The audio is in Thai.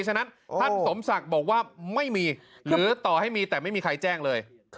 ฉะนั้นท่านสมศักดิ์บอกว่าไม่มีหรือต่อให้มีแต่ไม่มีใครแจ้งเลย